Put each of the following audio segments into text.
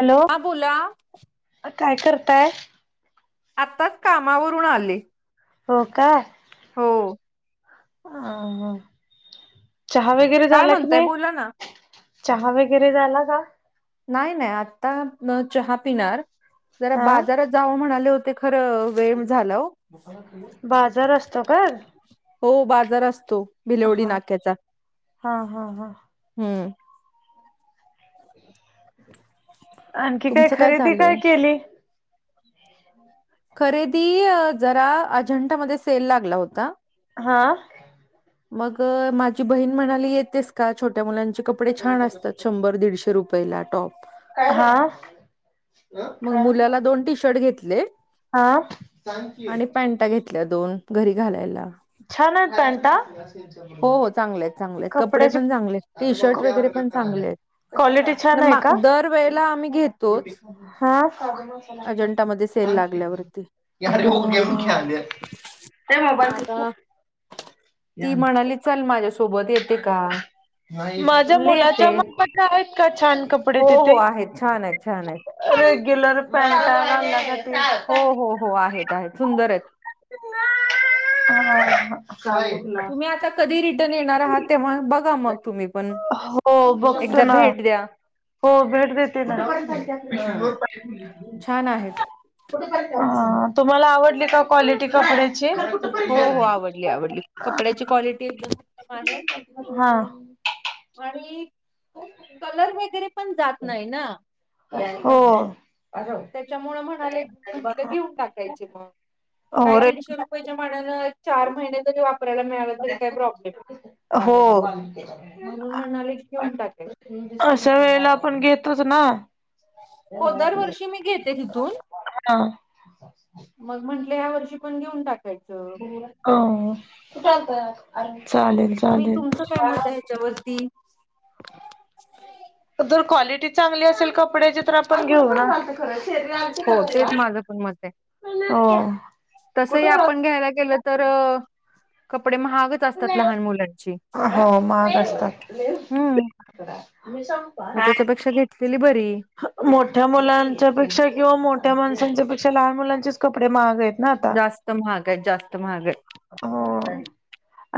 Hello! हा बोला काय करताय. आताच कामावरून आले. हो का! हो! अ चहा वगैरे काय झाला की म्हणताय नाही? बोला ना. चहा वगैरे झाला का? नाही नाही आत्ता चहा पिणार, जरा हा बाजारात जावं म्हणाले होते खरं. वेळ झाला हो, बाजार असतो का हो बाजार असतो. भिलवडी हा नाक्याचा. हा, हा, हा! हम्म! आणखी काय तुमचं खरेदी चालू काय आहे? केली. [unintelligible] खरेदी जरा अजंठामध्ये सेल लागला होता. हा! मग माझी बहीण म्हणाली येतेस का? छोट्या मुलांचे कपडे छान असतात शंभर दीडशे रुपये पहिला टॉप. हा! मग मुलाला दोन टी शर्ट घेतले, हा आणि पॅन्टा घेत ल्या दोन घरी घालायला. छान आहेत पॅनटा. हो हो चांगले आहेत चांगले आहेत कपडे कपड्या पण चांगले आहेत आ टी शर्ट वगैरे पण चांगले आहेत [unintelligible] क्वालिटी छान न आहे मा का? दर वेळेला आम्ही हा. अजंटामध्ये सेल लागल्यावरती. यार होऊ घेव ख्याले त्या मग मोबाईल फ आता [unintelligible] ती म्हणाली चल माझ्यासोबत येते का? माझ्या म्हणले येते मुलाच्या मापाच्या आहेत का छान कपडे हो तिथे? हो आहेत छान आहेत छान आहेत रेग्युलर पॅट [unintelligible] हो हो हो! आहेत आहेत सुंदर आहेत. त [unintelligible] [unintelligible] तुम्ही आता कधी रिटर्न येणार आहात. तेव्हा बघा मग तुम्ही पण, हो बघतो एकदा ना! भेट द्या हो भेट देते ना! हम्म छान आहेत. तुम्हाला आवडली का क्वालिटी कपड्या हो हो आवडली आवडली कपड्याची क्वालिटी एकदम उत्तम आहे हा! आणि कलर वगैरे पण जात नाही ना. हो त्याच्यामुळं म्हणाले म्हंटलं घेऊन टाकायचे मग. हो काय रे दीडशे रुपयाच्या मानान चार महिने तरी वा वापरायला मिळालं तरी काही प्रॉब्लेम नाही, हो म्हणून म्हले घेऊन टाकाय अशा वेळेला आपण घेतोच ना. हो दरवर्षी मी घेते तिथून. हा मग म्हटले या वर्षी पण घेऊन टाक! चालेल! तुम्ही चालेल तुमचं काय मत आहे ह्याच्यावरती? जर क्वालिटी चांगली असेल कपड्याची तर आपण घेऊ ना! हो तेच माझ पण मत आहे, हो तसही आपण घ्यायला गेलं तर कपडे महागच असतात लहान मुलांची. हो महाग असतात. हम्म मी सांगु मग का! त्याच्यापेक्षा घेतलेली बरी. मोठ्या मुलांच्या पेक्षा किंवा मोठ्या माणसांच्या पेक्षा लहान मुलांचेच कपडे महाग आहेत. ना आता जास्त महाग हाय जास्त महाग आहे. हो!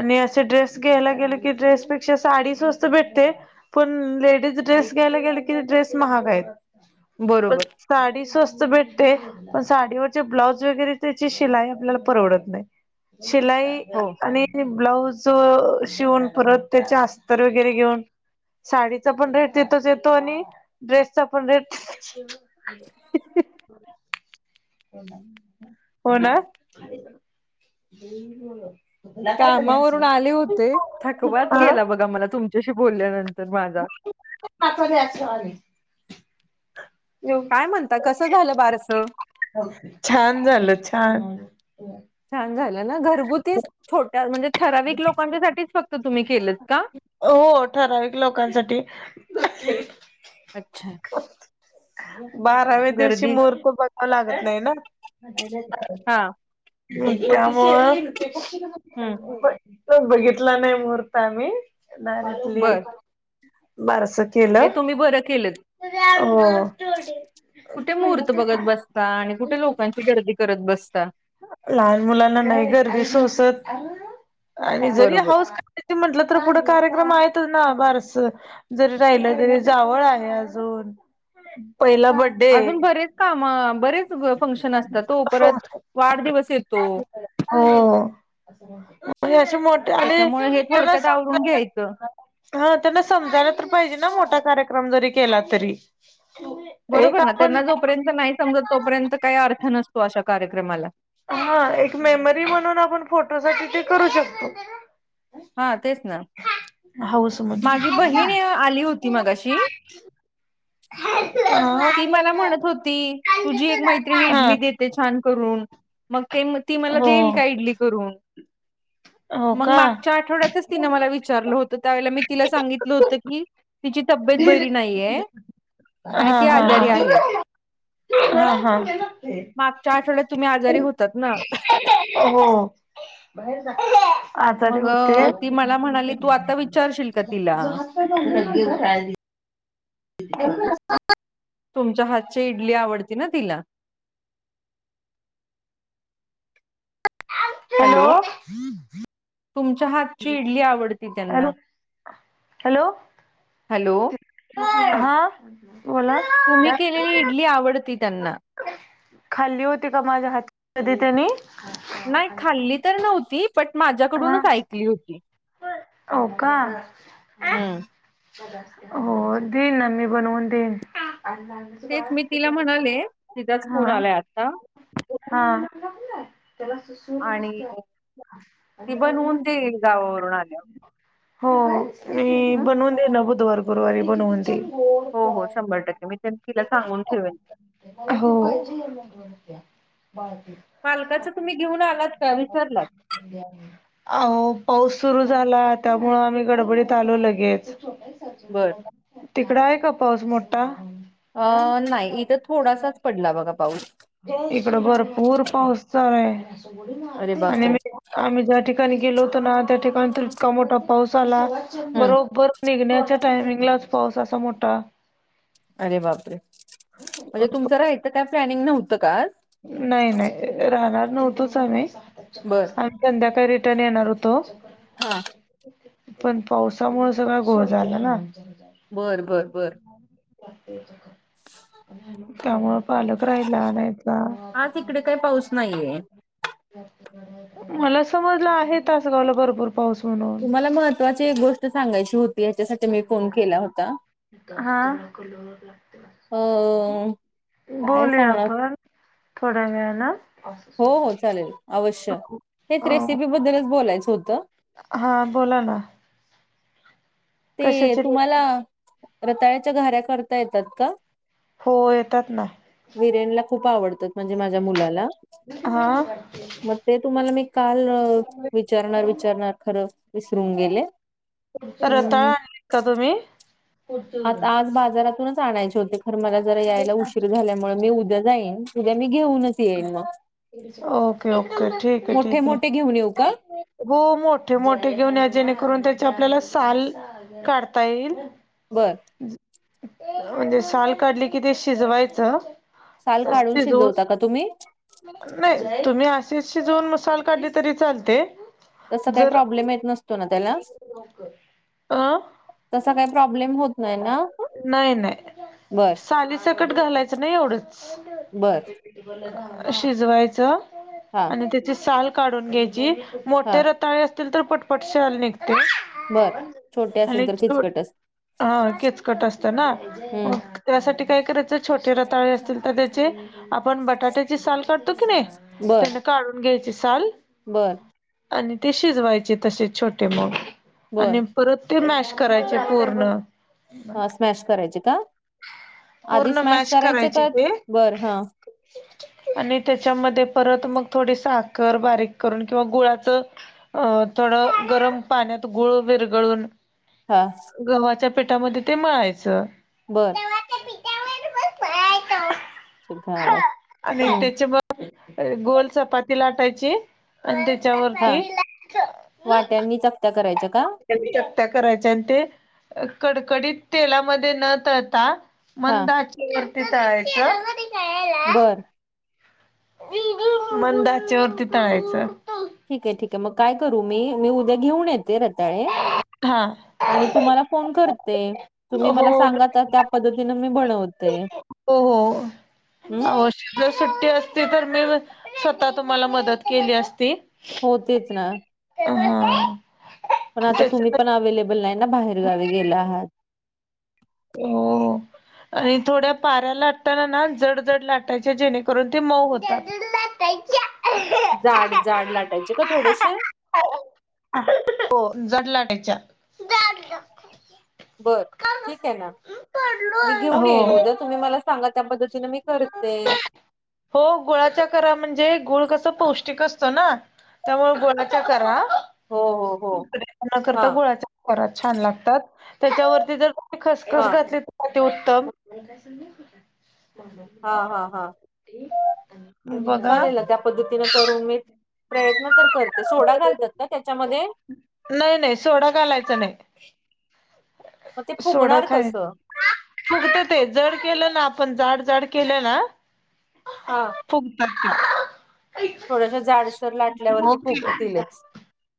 आणि असे ड्रेस घ्यायला गेले की ड्रेस पेक्षा साडी स्वस्त वास्त भेटते. पण लेडीज ड्रेस घ्यायला गेले की ड्रेस महागा आहेत. पण बरोबर! साडी स्वस्त भेटते पण साडीवरचे ब्लाऊज वगैरे त्याची शिलाई आपल्याला परवडत नाही. शिलाई हो. आणि ब्लाऊज शिवून परत त्याचे अस्तर वगैरे घेऊन साडीचा पण रेट तिथच येतो आणि ड्रेसचा पण रेट [unintelligible] हो ना? कामावरून आले होते, थकवात हा गेला बघा मला तुमच्याशी बोलल्यानंतर माझा. [unintelligible] काय म्हणता कसं झालं बारसं छान झालं छान! छान झालं ना! घरगुती छोट्या म्हणजे ठराविक लोकांच्या साठीच फक्त तुम्ही केलंत का? हो ठराविक लोकांसाठी. अच्छा! [inaudible] बाराव्या दिवशी गर्दी मूर्त बघावा लागत नाही ना! हा त्या मूळ हम्म बघितलं नाही मुहूर्त आम्ही. डायरेक्टली बर बारसं केलं ते तुम्ही बरं केलंत हो. कुठे मुहूर्त बघत बसता आणि कुठे लोकांची गर्दी करत बसता! लहान मुलांना नाही गर्दी सोसत आणि जरी बरोबर हाऊस करायची म्हटलं तर पुढे कार्यक्रम आहेतच ना बारस जरी राहिलं तरी जावळ आहे. अजून पहिला ब अजून बरेच काम बरेच फंक्शन असतात तो हो! परत वाढदिवस येतो हे अशे मोठे आणि त्याच्यामुळे हे त्यांना थोडक्यात आवरून समजत घ्यायचं पण हा त्यांना समजायला तर पाहिजे ना मोठा कार्यक्रम जरी केला तरी! एक बरोबर ना आपण त्यांना जोपर्यंत नाही समजत तोपर्यंत काही अर्थ नसतो अशा कार्यक्रमाला. हा एक मेमरी म्हणून आपण फोटोसाठी ते करू शकतो. हा तेच ना हाऊस म्हणून माझी बहीण आली होती. मगाशी हा [unintelligible] ती मला म्हणत होती तुझी एक मैत्रिणी हा इडली देत. ते छान करून मग ते ती मला हो देईल का इडली करून [unintelligible] [inaudible] मग मागच्या आठवड्यातच तिन मला विचारलं होतं. त्यावेळेला मी तिला सांगितलं होतं की तिची तब्येत बरी नाहीये. हा आणि ती हा आजारी आहे हा हा हा च्या आठवड्यात तुम्ही आजारी होतात ना हो आजारी मग होते अ, ती मला म्हणाली तू आता विचारशील का तिला [unintelligible] तुमच्या हातची इडली आवडते ना तिला हॅलो तुमच्या हातची इडली आवडती त्यांना हॅलो हॅलो हॅलो हा बोला तुम्ही केलेली इडली आवडते त्यांना खाल्ली होती का माझ्या हातची कधी त्यानी नाही खाल्ली तर नव्हती बट हा. माझ्याकडूनच ऐकली होती हो का हम्म. हो देईल ना मी बनवून देईन तेच मी तिला म्हणाले तिचाच फोन हा आलाय आता [unintelligible] हा [unintelligible] आणि मी बनवून ते गावावरून आल्या हो मी बनवून देई ना बुधवार गुरुवारी बनवून देईन हो हो शंभर टक्के मी ते तिला सांगून ठेवेन हो मालकाच तुम्ही घेऊन आलात का विचारलात आवो पाऊस सुरू झाला त्यामुळ आम्ही गडबडीत आलो लगेच बर तिकडं आहे का पाऊस मोठा अ नाही इथ थोडासाच पडला बघा पाऊस इकड भरपूर पाऊस चालु अरे आ आणि बापरे आम्ही ठिकाणी गेलो होतो ना त्या ठिकाणी तर इतका मोठा पाऊस आला हम् बरोबर निघण्याच्या टायमिंगलाच पाऊस असा मोठा अरे बापरे म्हणजे तुमचं राहायचं काय प्लॅनिंग नव्हतं का आज नाही नाही राहणार नव्हतोच आ्ही बर संध्याकाळी रिटर्न येणार होतो. हा पण पावसामुळे सगळं घोळ झाला ना बरं बरं बरं त्यामुळं पालक राहिला नाहीत ईथला आज इकडे काही पाऊस नाहीये मला समजलं आहे तासगावला आहे भरपूर पाऊसून तुम्हाला महत्त्वाची एक गोष्ट सांगायची होती ह्याच्यासाठी मी फोन केला होता हा अ काय बोलूया सांगणार आपण थोड्यावेळान हो हो चालेल अवश्य हेच रेसिपी बद्दलच बोलायचं होतं हां बोला ना ते कशाची तुम्हाला रेसिपी रताळ्याच्या घाऱ्या करता येतात का हो येतात ना. विरेन खूप आवडत म्हणजे माझ्या मुलाला हा मग ते तुम्हाला मी काल विचारणार विचारणार खरं विसरून गेले. रताळा हम्म. आण का तुम्ही? आता आज बाजारातूनच आणायचे होते खर मला जरा यायला उशीर झाल्यामुळे मी उद्या जाईन. तध्या मी घेऊनच येईन म ओके ओके ठीक आहे मोठे ठीक आहे मोठे घेऊन येऊ का? हो मोठे मोठे घेऊन या जेणेकरून त्याचे आपल्याला साल काढता येईल. बरं म्हणजे साल काढली कि ते शिजवायचं. साल काढून शिजवता का शिजवून तुम्ही? नाही तुम्ही आशिच जोन मसाल काढली तरी चालते. तस काही जर प्रॉब्लेम येत नसतो ना त्याला अ तसा काही प्रॉब्लेम होत नाही ना नाही नाही बर सालीसकट घालायचं नाही एवढंच. बर शिजवायचं हा आणि त्याची साल काढून घ्यायची. मोठे हा रताळे असतील तर पटपट शाल निघते बर छोटे असेल आणि तर किचकटच हा केचकट असतं ना हम्म त्यासाठी काय करायचं छोटे रताळे असतील तर त्याचे आपण बटाट्याची साल काढतो की नाही. त्यांना काढून घ्यायची साल. बरं. आणि तसेच व्हायचे तसे छोटे मग बर आणि परत ते मॅश करायचे पूर्ण हा स्मॅश करायचे का आधी पूर्ण स्मॅश करायचे का बरं हा. ख [unintelligible] आणि त्याच्यामध्ये परत मग थोडी साखर बारीक करून किंवा गुळाचं अ थोडं गरम पाण्यात गुळ विरगळून हा गव्हाच्या पेटामध्ये ते मळायचं. बरं. आवाज आणि हम्म त्याच्या गोल चपाती लाटायची. आणि हा त्याच्यावरती. वाट्यांनी चकत्या करायच्या का क त्या करायच्या आणि ते. कडकडीत तेलामध्ये न तळता हा मद आचे वर्ती तलायच. बरं. मंद आचे वरती तळायचं. ठीक आहे ठीके आहे मग काय करू मी, मी उद्या घेऊन येत रताळे हा आणि तुम्हाला फोन करते. तुम्ही हो मला सांगा त्या पद्धतीनं मी बनवत हो हो हम्म आशा ज सुट्टी असती तर मी स्वतः तुम्हाला मदत केली असती. होतेच ना. हा पण आता त्याच्या तुम्ही पण अवे्हेलेबल नाही ना बाहेर गावी गेले आहात. हो. आणि थोड्या पाऱ्या लाटताना ना जड जड लाटायचे जेणेकरून ते मऊ होतात. या [unintelligible] जाड जाड लाटायचे का थोडेसे? हो जड लाढायच्या. बर ठीक आहे ना मी घेऊन हो येईन उद्या तुम्ही मला सांगा त्या पद्धतीने मी करते. हो गुळाच्या करा म्हणजे गुळ कसं पौष्टिक असतं ना. त्यामुळे गुळाच्या करा हो हो हो त हा करता गुळाच्या. कार छान लागतात त्याच्यावरती जर तुही हा खसखस घातली तर अती उत्तम. आणि काय सली बबर हा हा हा बघा चाले लना. त्या पद्धतीन करून मी प्रयत्न तर करते. सोडा घालतात का त्याच्यामध्ये नाही नाही सोडा घालायच नाही. मग ते सोडा फुगणार काय कसं फुगत ते जड केलं ना आपण जाड जाड केलं ना. हा. पुघतात त्या. थोडस जाडसर लाटल्यावरती फुकतीलच.